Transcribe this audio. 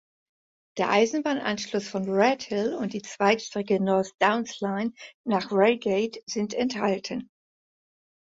Der Eisenbahnanschluss von Redhill und die Zweigstrecke North Downs Line nach Reigate sind enthalten.